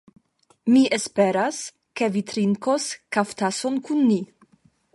Mi esperas, ke vi trinkos kaftason kun ni.